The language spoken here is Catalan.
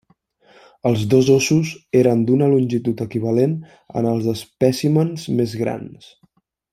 Els dos ossos eren d'una longitud equivalent en els espècimens més grans.